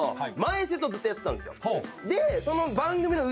でその。